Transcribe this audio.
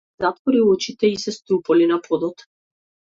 Ги затвори очите и се струполи на подот.